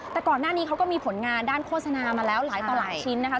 แต่ก่อนหน้านี้เขาก็มีผลงานด้านโฆษณามาแล้วหลายต่อหลายชิ้นนะคะ